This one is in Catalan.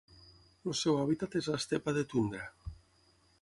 El seu hàbitat és l'estepa de tundra.